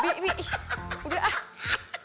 bi bi udah ah